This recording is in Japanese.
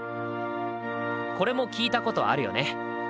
これも聴いたことあるよね？